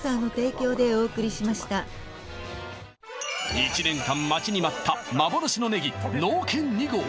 今１年間待ちに待った幻のねぎ農研２号